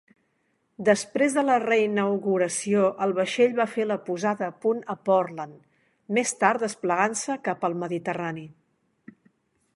Després de la reinauguració, el vaixell va fer la posada a punt a Portland, més tard desplegant-se cap al mediterrani.